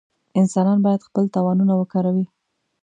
انسانان باید خپل توانونه وکاروي.